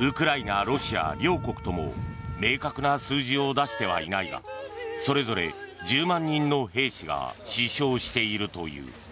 ウクライナ、ロシア両国とも明確な数字を出してはいないがそれぞれ１０万人の兵士が死傷しているという。